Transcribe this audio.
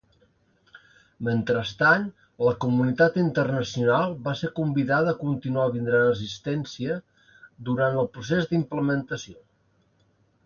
Mentrestant, la comunitat internacional va ser convidada a continuar brindant assistència durant el procés d'implementació.